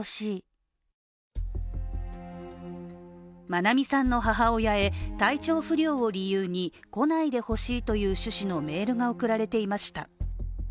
愛美さんの母親へ体調不良を理由に来ないでほしいという趣旨のメールが送られていました。